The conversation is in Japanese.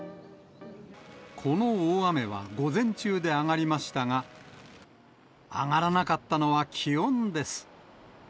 この大雨は午前中で上がりましたが、上がらなかったのは気温です。